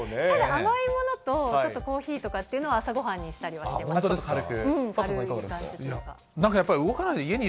ただ、甘いものと、ちょっとコーヒーとかっていうのは、朝ごはんにしたりしてます。